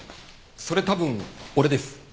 それ多分俺です。